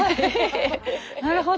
なるほど。